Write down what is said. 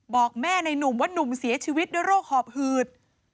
บอกแม่ในหนุ่มว่านุ่มเสียชีวิตด้วยโรคหอบหืด